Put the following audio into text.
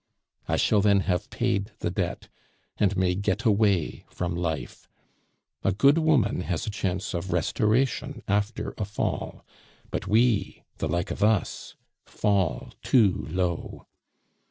I shall then have paid the debt, and may get away from life. A good woman has a chance of restoration after a fall; but we, the like of us, fall too low.